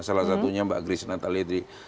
salah satunya mbak grisna taliedri